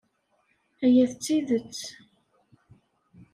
Aya d tidet.